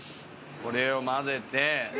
これを混ぜて。